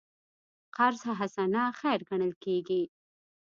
قرض حسنه خیر ګڼل کېږي.